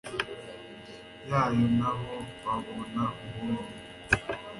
yayo naho babona ubumwe